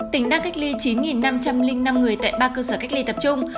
tỉnh đang cách ly chín năm trăm linh năm người tại ba cơ sở cách ly tập trung